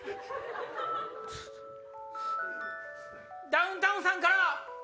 ダウンタウンさんから。